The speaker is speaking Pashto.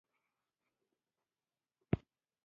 د دوه انسانانو ژوند سره لوبې دي